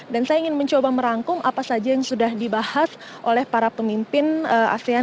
dan saya ingin mencoba merangkum apa saja yang sudah dibahas oleh para pemimpin asean